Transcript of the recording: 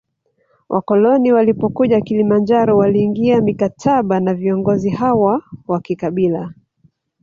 Wakoloni walipokuja Kilimanjaro waliingia mikataba na viongozi hawa wa kikabila